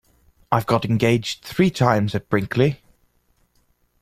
I've got engaged three times at Brinkley.